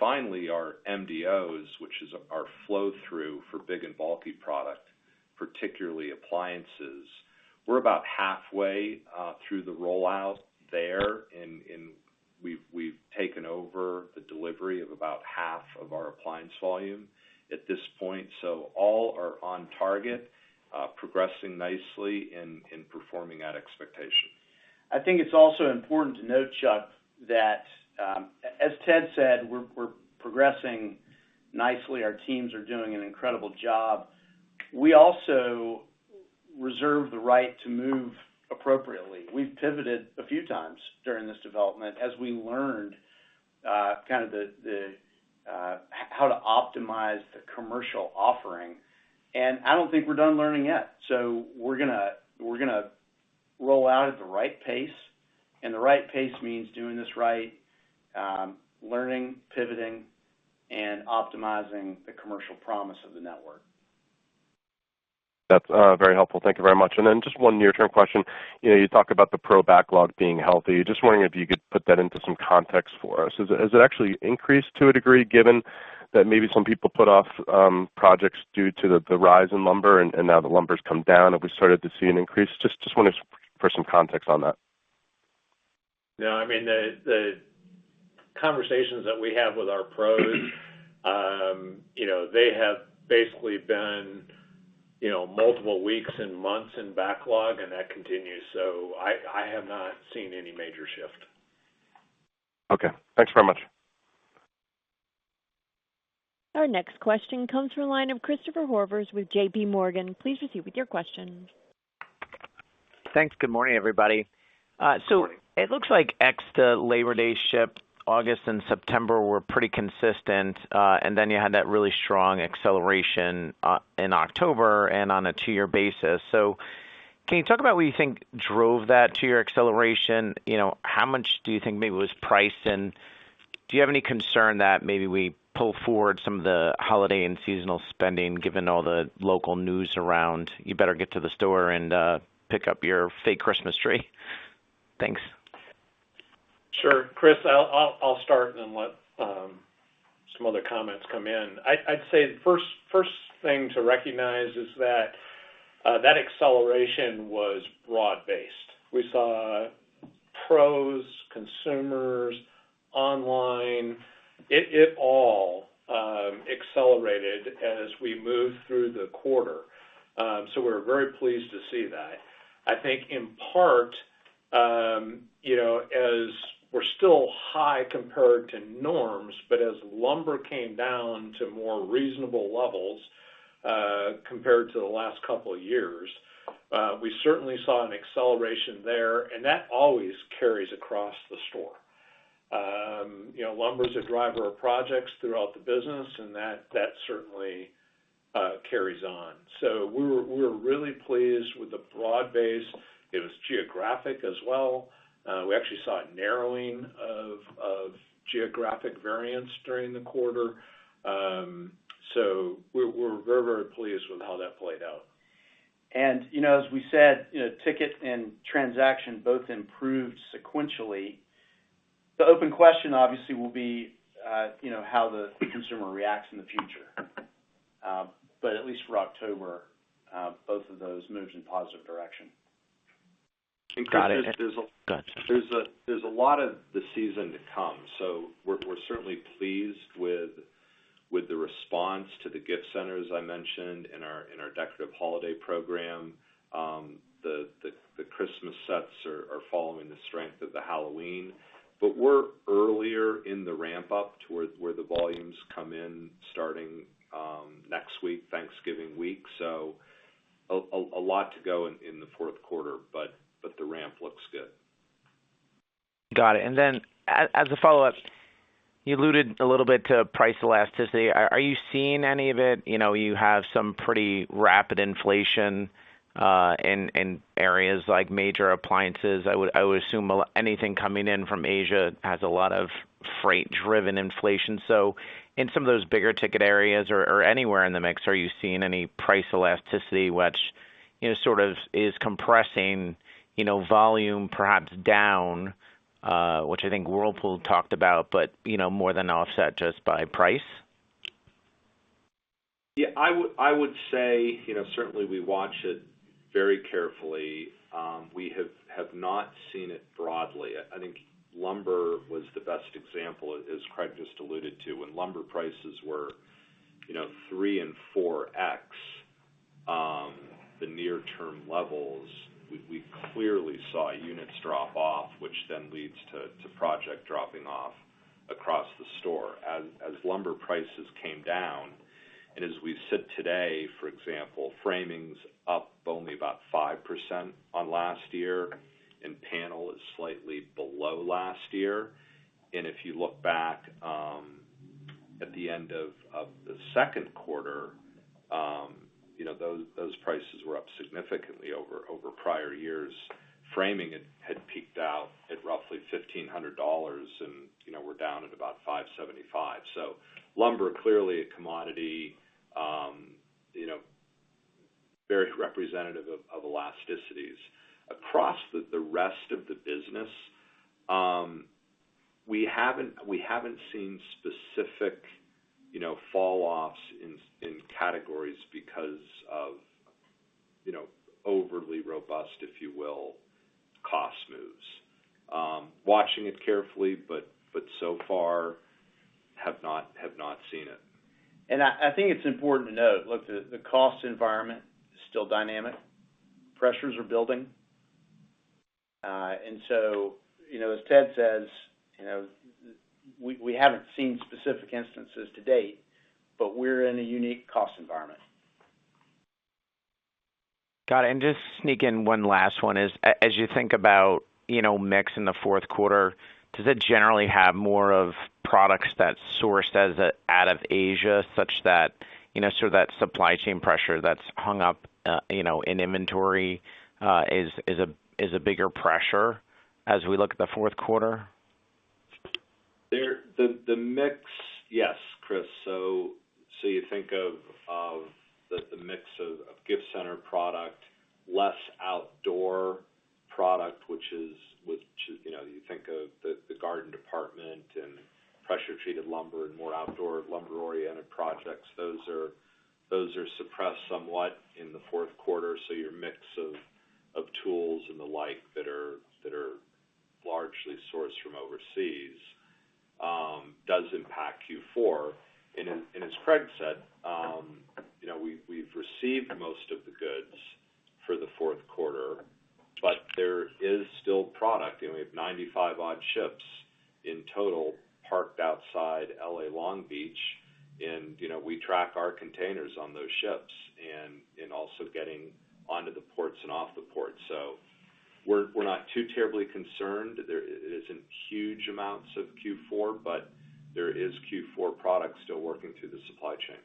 Finally, our MDOs, which is our flow through for big and bulky product, particularly appliances. We're about halfway through the rollout there. We've taken over the delivery of about half of our appliance volume at this point. All are on target, progressing nicely and performing at expectation.
I think it's also important to note, Chuck, that, as Ted said, we're progressing nicely. Our teams are doing an incredible job. We also reserve the right to move appropriately. We've pivoted a few times during this development as we learned how to optimize the commercial offering. I don't think we're done learning yet. We're gonna roll out at the right pace, and the right pace means doing this right, learning, pivoting, and optimizing the commercial promise of the network.
That's very helpful. Thank you very much. Just one near-term question. You know, you talk about the Pro backlog being healthy. Just wondering if you could put that into some context for us. Has it actually increased to a degree, given that maybe some people put off projects due to the rise in lumber and now the lumber's come down? Have we started to see an increase? Just wanted some context on that.
No, I mean, the conversations that we have with our Pros, you know, they have basically been, you know, multiple weeks and months in backlog, and that continues. I have not seen any major shift.
Okay. Thanks very much.
Our next question comes from the line of Christopher Horvers with JPMorgan. Please proceed with your question.
Thanks. Good morning, everybody. It looks like ex the Labor Day shift, August and September were pretty consistent, and then you had that really strong acceleration in October and on a two-year basis. Can you talk about what you think drove that two-year acceleration? You know, how much do you think maybe was priced in? Do you have any concern that maybe we pull forward some of the holiday and seasonal spending, given all the local news around, "You better get to the store and pick up your fake Christmas tree"? Thanks.
Sure. Chris, I'll start and then let some other comments come in. I'd say the first thing to recognize is that that acceleration was broad-based. We saw Pros, consumers, online. It all accelerated as we moved through the quarter. We're very pleased to see that. I think in part, you know, as we're still high compared to norms, but as lumber came down to more reasonable levels, compared to the last couple of years, we certainly saw an acceleration there, and that always carries across the store. You know, lumber is a driver of projects throughout the business and that certainly carries on. We're really pleased with the broad base. It was geographic as well. We actually saw a narrowing of geographic variance during the quarter. We're very pleased with how that played out.
You know, as we said, you know, ticket and transaction both improved sequentially. The open question obviously will be, you know, how the consumer reacts in the future. At least for October, both of those moves in positive direction.
Got it.
There's a lot of the season to come. We're certainly pleased with the response to the gift centers I mentioned in our decorative holiday program. The Christmas sets are following the strength of the Halloween. We're earlier in the ramp up to where the volumes come in starting next week, Thanksgiving week. A lot to go in the fourth quarter, but the ramp looks good.
Got it. Then as a follow-up, you alluded a little bit to price elasticity. Are you seeing any of it? You know, you have some pretty rapid inflation in areas like major appliances. I would assume anything coming in from Asia has a lot of freight-driven inflation. In some of those bigger ticket areas or anywhere in the mix, are you seeing any price elasticity which, you know, sort of is compressing, you know, volume perhaps down, which I think Whirlpool talked about, but, you know, more than offset just by price?
Yeah, I would say, you know, certainly we watch it very carefully. We have not seen it broadly. I think lumber was the best example, as Craig just alluded to, when lumber prices were, you know, 3x and 4x the near-term levels, we clearly saw units drop off, which then leads to project dropping off across the store. As lumber prices came down, and as we sit today, for example, framing's up only about 5% on last year, and panel is slightly below last year. If you look back at the end of the second quarter, you know, those prices were up significantly over prior years. Framing had peaked out at roughly $1,500 and, you know, we're down at about $575. Lumber clearly a commodity, you know, very representative of elasticities. Across the rest of the business, we haven't seen specific, you know, fall-offs in categories because of, you know, overly robust, if you will, cost moves. Watching it carefully, but so far have not seen it.
I think it's important to note, look, the cost environment is still dynamic. Pressures are building. You know, as Ted says, you know, we haven't seen specific instances to date, but we're in a unique cost environment.
Got it. Just sneak in one last one is, as you think about, you know, mix in the fourth quarter, does it generally have more of products that sourced from out of Asia, such that, you know, sort of that supply chain pressure that's hung up, you know, in inventory, is a bigger pressure as we look at the fourth quarter?
The mix, yes, Chris. So you think of the mix of gift center product, less outdoor product, which is, you know, you think of the garden department and pressure-treated lumber and more outdoor lumber-oriented projects. Those are suppressed somewhat in the fourth quarter. So your mix of tools and the like that are largely sourced from overseas does impact Q4. And as Craig said, you know, we've received most of the goods for the fourth quarter, but there is still product, and we have 95-odd ships in total parked outside L.A. Long Beach. And, you know, we track our containers on those ships and also getting onto the ports and off the ports. So we're not too terribly concerned. There isn't huge amounts of Q4, but there is Q4 products still working through the supply chain.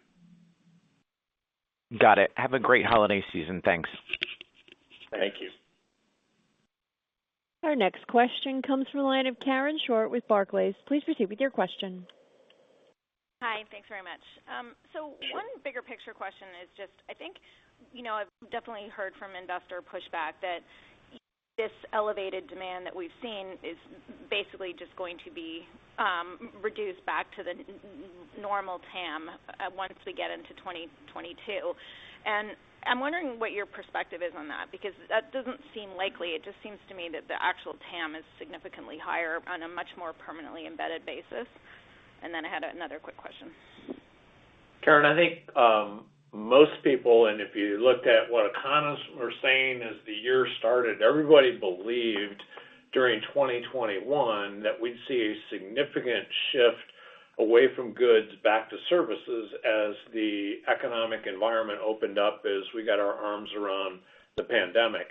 Got it. Have a great holiday season. Thanks.
Thank you.
Our next question comes from the line of Karen Short with Barclays. Please proceed with your question.
Hi. Thanks very much. One bigger picture question is just I think, you know, I've definitely heard from investor pushback that this elevated demand that we've seen is basically just going to be reduced back to the normal TAM once we get into 2022. I'm wondering what your perspective is on that, because that doesn't seem likely. It just seems to me that the actual TAM is significantly higher on a much more permanently embedded basis. Then I had another quick question.
Karen, I think most people, and if you looked at what economists were saying as the year started, everybody believed during 2021 that we'd see a significant shift away from goods back to services as the economic environment opened up, as we got our arms around the pandemic.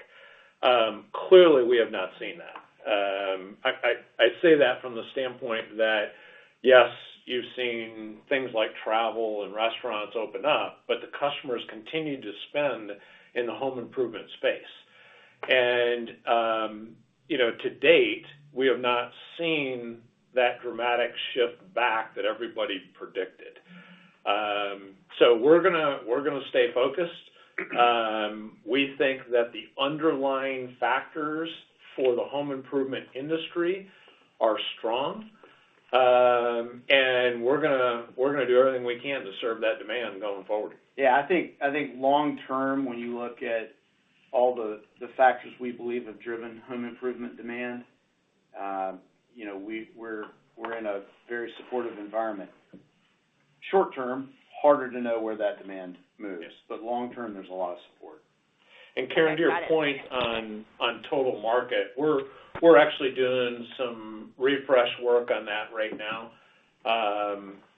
Clearly, we have not seen that. I say that from the standpoint that, yes, you've seen things like travel and restaurants open up, but the customers continue to spend in the home improvement space. You know, to date, we have not seen that dramatic shift back that everybody predicted. We're gonna stay focused. We think that the underlying factors for the home improvement industry are strong. We're gonna do everything we can to serve that demand going forward.
Yeah, I think long term, when you look at all the factors we believe have driven home improvement demand, you know, we're in a very supportive environment. Short term, harder to know where that demand moves but long term, there's a lot of support.
Karen, to your point on total market, we're actually doing some refresh work on that right now.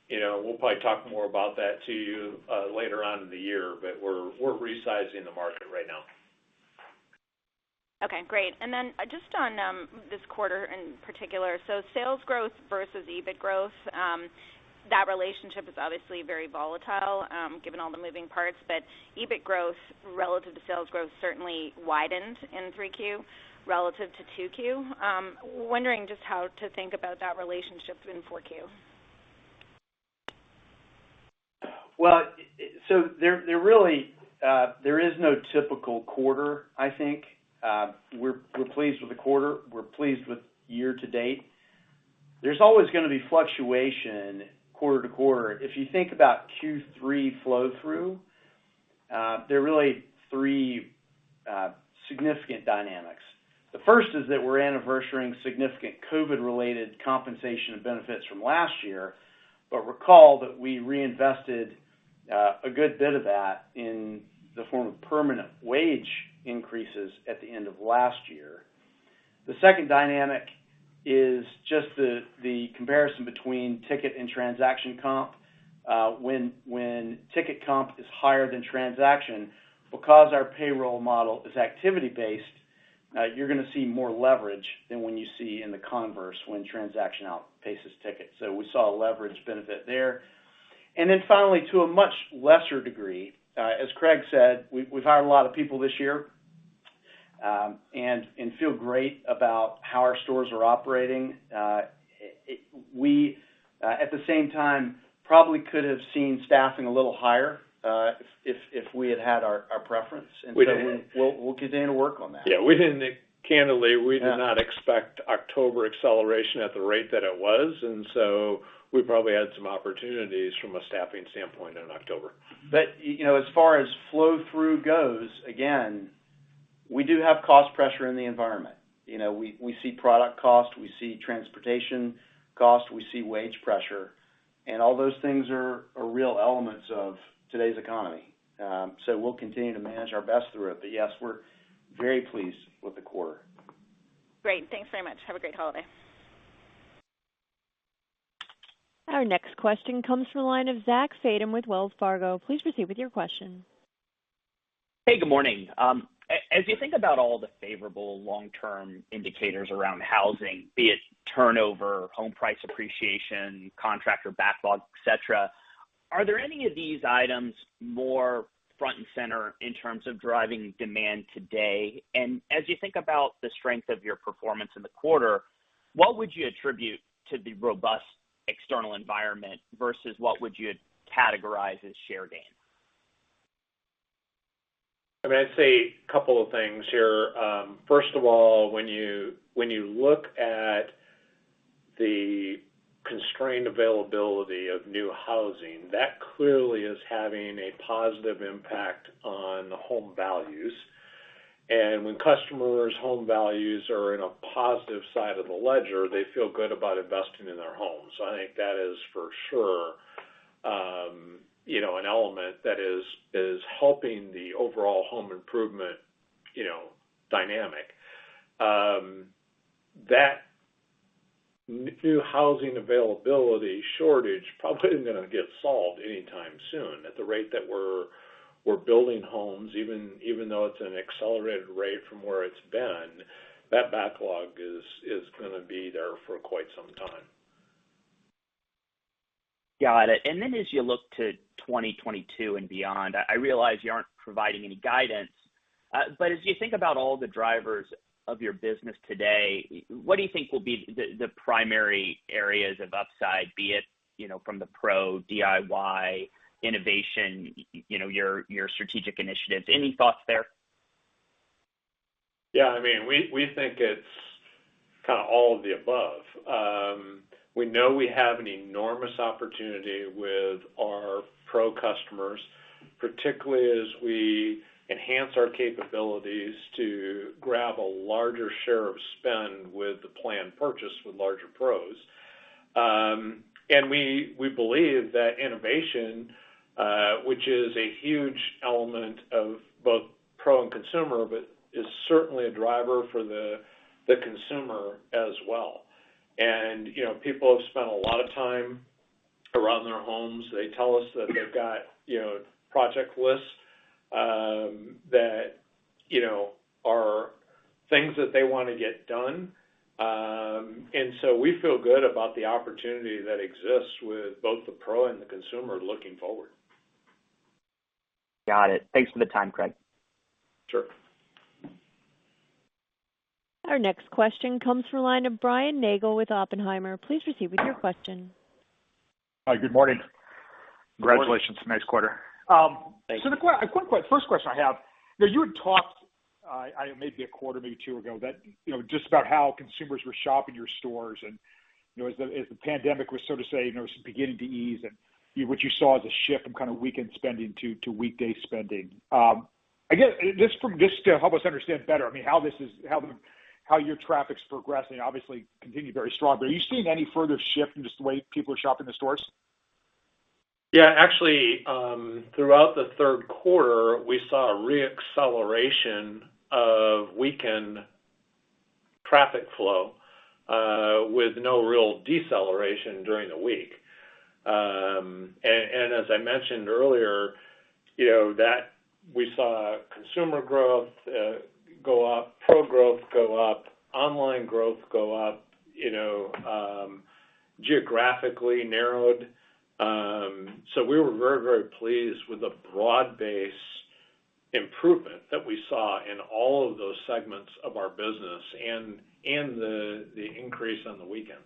You know, we'll probably talk more about that to you later on in the year, but we're resizing the market right now.
Okay, great. Then just on this quarter in particular. Sales growth versus EBIT growth, that relationship is obviously very volatile, given all the moving parts. EBIT growth relative to sales growth certainly widened in 3Q relative to 2Q. Wondering just how to think about that relationship in 4Q.
Well, there really is no typical quarter, I think. We're pleased with the quarter. We're pleased with year to date. There's always gonna be fluctuation quarter to quarter. If you think about Q3 flow-through, there are really three significant dynamics. The first is that we're anniversarying significant COVID-related compensation and benefits from last year. Recall that we reinvested a good bit of that in the form of permanent wage increases at the end of last year. The second dynamic is just the comparison between ticket and transaction comp. When ticket comp is higher than transaction, because our payroll model is activity-based, you're gonna see more leverage than when you see in the converse when transaction outpaces ticket. We saw a leverage benefit there. Then finally, to a much lesser degree, as Craig said, we've hired a lot of people this year, and feel great about how our stores are operating. We, at the same time, probably could have seen staffing a little higher, if we had had our preference. We'll continue to work on that.
Yeah, candidly, we did not expect October acceleration at the rate that it was, and so we probably had some opportunities from a staffing standpoint in October.
You know, as far as flow-through goes, again, we do have cost pressure in the environment. You know, we see product cost, we see transportation cost, we see wage pressure, and all those things are real elements of today's economy. So we'll continue to manage our best through it. Yes, we're very pleased with the quarter.
Great. Thanks very much. Have a great holiday.
Our next question comes from the line of Zach Fadem with Wells Fargo. Please proceed with your question.
Hey, good morning. As you think about all the favorable long-term indicators around housing, be it turnover, home price appreciation, contractor backlog, et cetera, are there any of these items more front and center in terms of driving demand today? As you think about the strength of your performance in the quarter, what would you attribute to the robust external environment versus what would you categorize as share gain?
I mean, I'd say a couple of things here. First of all, when you look at the constrained availability of new housing, that clearly is having a positive impact on the home values. When customers' home values are in a positive side of the ledger, they feel good about investing in their homes. I think that is for sure, you know, an element that is helping the overall home improvement, you know, dynamic. That new housing availability shortage probably isn't gonna get solved anytime soon. At the rate that we're building homes, even though it's an accelerated rate from where it's been, that backlog is gonna be there for quite some time.
Got it. As you look to 2022 and beyond, I realize you aren't providing any guidance, but as you think about all the drivers of your business today, what do you think will be the primary areas of upside, be it, you know, from the Pro, DIY, innovation, you know, your strategic initiatives? Any thoughts there?
Yeah, I mean, we think it's kind of all of the above. We know we have an enormous opportunity with our Pro customers, particularly as we enhance our capabilities to grab a larger share of spend with the planned purchase with larger Pros. We believe that innovation, which is a huge element of both Pro and consumer, but is certainly a driver for the consumer as well. You know, people have spent a lot of time around their homes. They tell us that they've got, you know, project lists that, you know, are things that they wanna get done. We feel good about the opportunity that exists with both the Pro and the consumer looking forward.
Got it. Thanks for the time, Craig.
Sure.
Our next question comes from the line of Brian Nagel with Oppenheimer. Please proceed with your question.
Hi, good morning.
Good morning.
Congratulations. Nice quarter.
Thanks.
First question I have, you know, you had talked maybe a quarter, maybe two ago, that, you know, just about how consumers were shopping your stores and, you know, as the pandemic was sort of, say, you know, beginning to ease and what you saw as a shift from kind of weekend spending to weekday spending. I guess, just to help us understand better, I mean, how your traffic's progressing, obviously continue very strong. Are you seeing any further shift in just the way people are shopping the stores?
Yeah. Actually, throughout the third quarter, we saw a re-acceleration of weekend traffic flow, with no real deceleration during the week. As I mentioned earlier, you know, that we saw consumer growth go up, Pro growth go up, online growth go up, you know, geographically narrowed. We were very, very pleased with the broad-based improvement that we saw in all of those segments of our business and the increase on the weekends.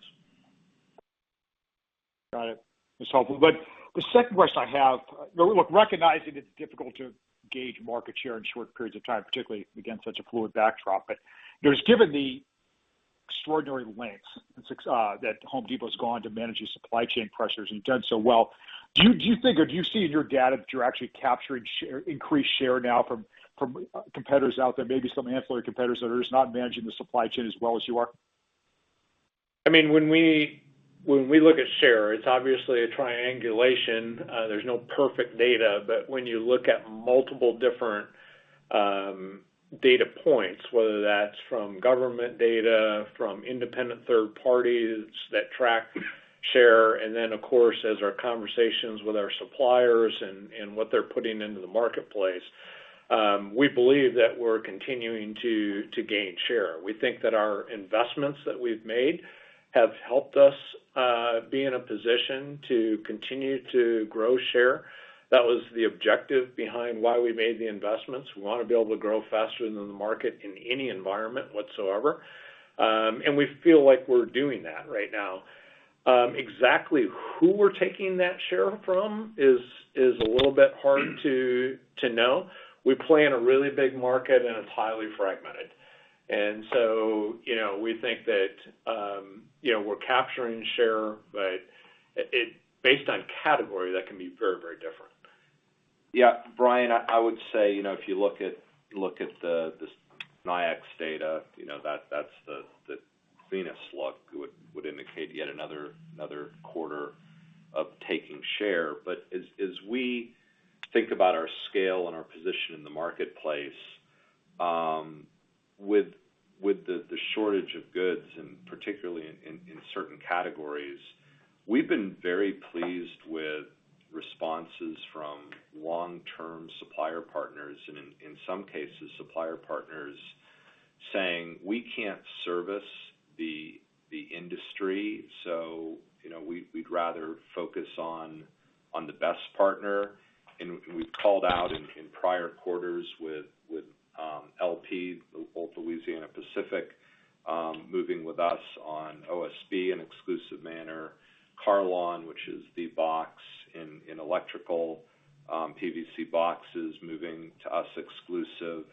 Got it. That's helpful. The second question I have, look, recognizing it's difficult to gauge market share in short periods of time, particularly against such a fluid backdrop. You know, just given the extraordinary lengths that that Home Depot has gone to manage these supply chain pressures and you've done so well, do you think or do you see in your data that you're actually capturing share, increased share now from competitors out there, maybe some ancillary competitors that are just not managing the supply chain as well as you are?
I mean, when we look at share, it's obviously a triangulation. There's no perfect data. When you look at multiple different data points, whether that's from government data, from independent third parties that track share, and then of course, as our conversations with our suppliers and what they're putting into the marketplace, we believe that we're continuing to gain share. We think that our investments that we've made have helped us be in a position to continue to grow share. That was the objective behind why we made the investments. We wanna be able to grow faster than the market in any environment whatsoever. We feel like we're doing that right now. Exactly who we're taking that share from is a little bit hard to know. We play in a really big market, and it's highly fragmented. You know, we think that, you know, we're capturing share, but based on category, that can be very, very different.
Yeah, Brian, I would say, you know, if you look at the NAICS data, you know, that's the cleanest look. It would indicate yet another quarter of taking share. But as we think about our scale and our position in the marketplace, with the shortage of goods, and particularly in certain categories, we've been very pleased with responses from long-term supplier partners, and in some cases, supplier partners saying, "We can't service the industry, so, you know, we'd rather focus on the best partner." We've called out in prior quarters with LP, both Louisiana-Pacific, moving with us on OSB in exclusive manner. Carlon, which is the box in electrical PVC boxes moving to us exclusive.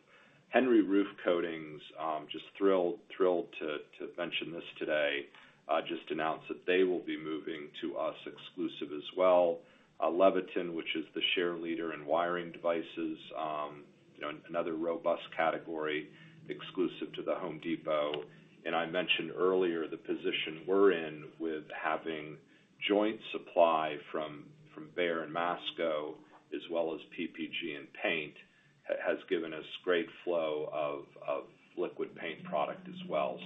Henry roof coatings, just thrilled to mention this today, just announced that they will be moving to us exclusive as well. Leviton, which is the share leader in wiring devices, you know, another robust category exclusive to The Home Depot. I mentioned earlier the position we're in with having joint supply from BEHR and Masco as well as PPG in paint has given us great flow of liquid paint product as well.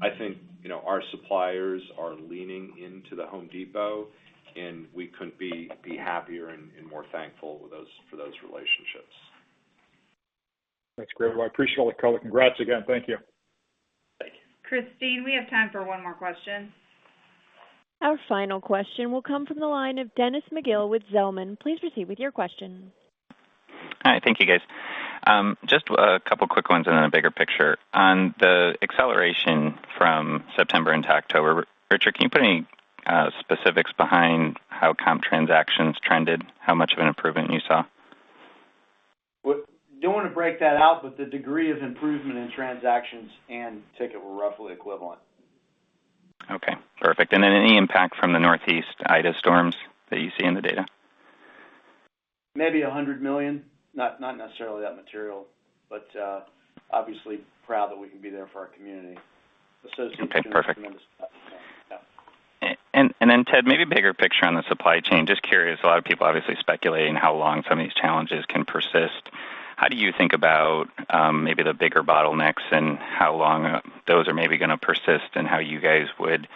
I think, you know, our suppliers are leaning into The Home Depot, and we couldn't be happier and more thankful for those relationships.
That's great. Well, I appreciate all the color. Congrats again. Thank you.
Thank you.
Christine, we have time for one more question.
Our final question will come from the line of Dennis McGill with Zelman. Please proceed with your question.
Hi, thank you, guys. Just a couple quick ones and then a bigger picture. On the acceleration from September into October, Richard, can you put any specifics behind how comp transactions trended, how much of an improvement you saw?
We're going to break that out, but the degree of improvement in transactions and ticket were roughly equivalent.
Okay, perfect. Any impact from the Northeast Ida storms that you see in the data?
Maybe $100 million, not necessarily that material, but obviously proud that we can be there for our community.
Okay, perfect.
Association is tremendous. Yeah.
Ted, maybe bigger picture on the supply chain. Just curious, a lot of people obviously speculating how long some of these challenges can persist. How do you think about maybe the bigger bottlenecks and how long those are maybe gonna persist and how you guys would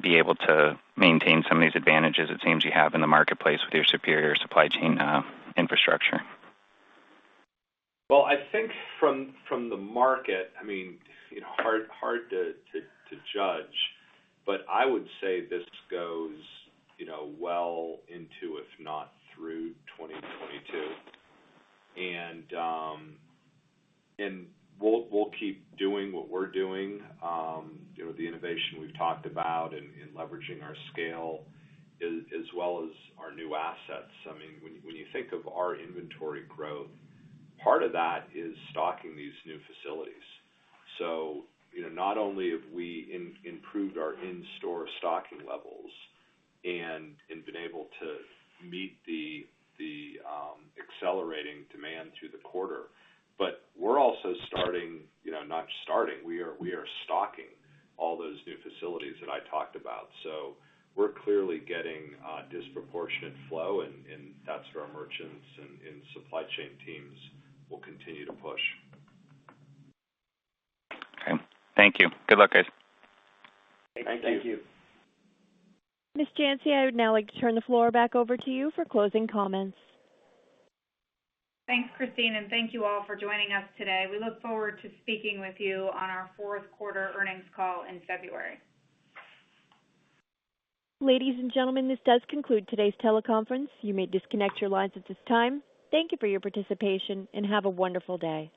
be able to maintain some of these advantages it seems you have in the marketplace with your superior supply chain infrastructure?
Well, I think from the market, I mean, you know, hard to judge. I would say this goes, you know, well into, if not through 2022. We'll keep doing what we're doing. You know, the innovation we've talked about in leveraging our scale as well as our new assets. I mean, when you think of our inventory growth, part of that is stocking these new facilities. You know, not only have we improved our inshore stocking levels and been able to meet the accelerating demand through the quarter, but we're also stocking all those new facilities that I talked about. We're clearly getting disproportionate flow and that's where our merchants and supply chain teams will continue to push.
Okay. Thank you. Good luck, guys.
Thank you.
Thank you.
Ms. Janci, I would now like to turn the floor back over to you for closing comments.
Thanks, Christine, and thank you all for joining us today. We look forward to speaking with you on our fourth quarter earnings call in February.
Ladies and gentlemen, this does conclude today's teleconference. You may disconnect your lines at this time. Thank you for your participation, and have a wonderful day.